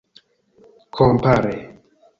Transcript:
kompare